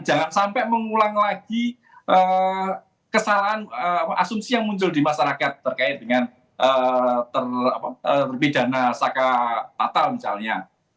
jangan sampai mengulang lagi kesalahan asumsi yang muncul di masyarakat terkait dengan terpidana saka natal misalnya